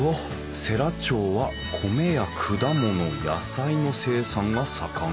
世羅町は米や果物野菜の生産が盛ん。